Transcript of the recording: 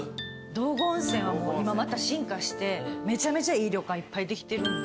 道後温泉は今進化してめちゃめちゃいい旅館いっぱいできてるんで。